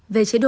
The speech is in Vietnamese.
về chế độ